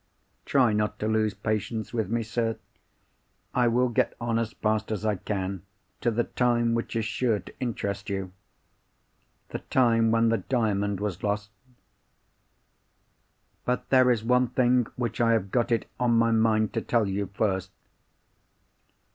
"Try not to lose patience with me, sir. I will get on as fast as I can to the time which is sure to interest you—the time when the Diamond was lost. "But there is one thing which I have got it on my mind to tell you first.